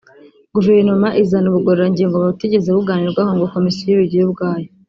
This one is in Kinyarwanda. guverinoma izana ubugororangingo butigeze buganirwaho ngo komisiyo ibugire ubwayo